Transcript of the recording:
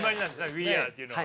「ウィーアー」っていうのは。